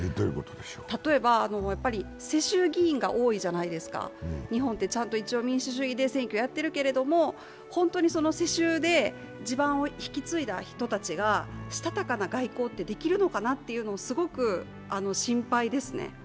例えば、世襲議員が多いじゃないですか、日本って一応民主主義で選挙やっているけれども、本当に世襲で地盤を引き継いだ人たちが、したたかな外交ができるのかなって、すごく心配ですね。